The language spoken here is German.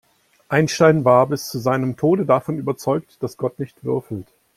Einstein war bis zu seinem Tode davon überzeugt, dass Gott nicht würfelt.